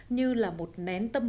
như là một nén tâm trọng